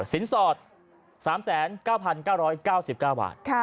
สินสอด๓๙๙๙๙บาท